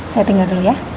saya tinggal dulu ya